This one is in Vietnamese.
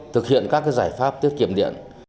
thực hiện các giải pháp tiết kiệm điện